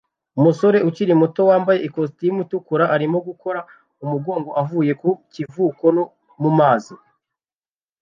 Umusore ukiri muto wambaye ikositimu itukura arimo gukora umugongo uva ku kivuko no mu mazi